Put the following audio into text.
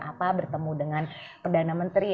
apa bertemu dengan perdana menteri